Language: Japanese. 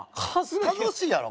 楽しいやろ？